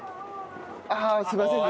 ああすいません。